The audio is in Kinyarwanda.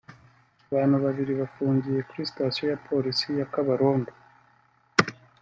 Abantu babiri bafungiye kuri sitasiyo ya Polisi ya Kabarondo